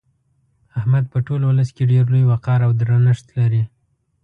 احمد په ټول ولس کې ډېر لوی وقار او درنښت لري.